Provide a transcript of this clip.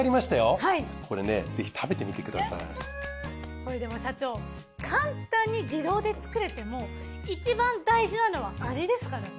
これでも社長簡単に自動で作れてもいちばん大事なのは味ですからね。